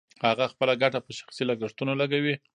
هغه خپله ګټه په شخصي لګښتونو لګوي